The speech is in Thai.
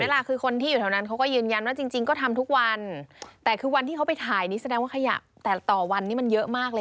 ล่ะคือคนที่อยู่แถวนั้นเขาก็ยืนยันว่าจริงจริงก็ทำทุกวันแต่คือวันที่เขาไปถ่ายนี่แสดงว่าขยะแต่ต่อวันนี้มันเยอะมากเลย